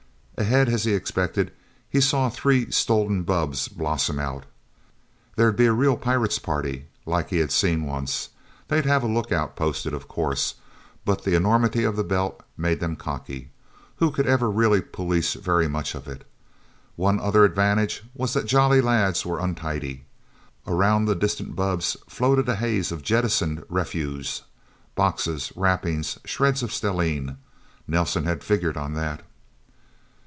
Ahead, as he expected, he saw three stolen bubbs blossom out. There'd be a real pirates' party, like he'd seen, once. They'd have a lookout posted, of course. But the enormity of the Belt made them cocky. Who could ever really police very much of it? One other advantage was that Jolly Lads were untidy. Around the distant bubbs floated a haze of jettisoned refuse. Boxes, wrappings, shreds of stellene. Nelsen had figured on that.